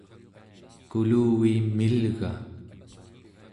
kuluviim milga